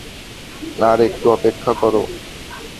আর একটু অপেক্ষা কর।